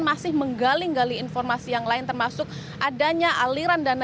masih menggali gali informasi yang lain termasuk adanya aliran dana